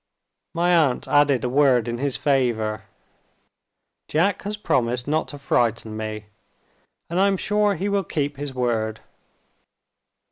My aunt added a word in his favor. "Jack has promised not to frighten me; and I am sure he will keep his word.